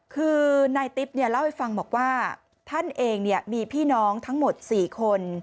คือนายติ๊บเล่าให้ฟังบอกว่าท่านเองมีพี่น้องทั้งหมด๔คน